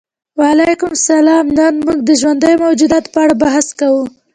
وعلیکم السلام نن موږ د ژوندیو موجوداتو په اړه بحث کوو